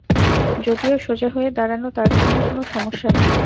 যদিও সোজা হয়ে দাঁড়ানো তার জন্যে কোনো সমস্যা নয়।